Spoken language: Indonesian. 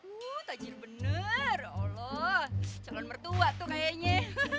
wuhh tajir bener allah calon mertua itu kayaknya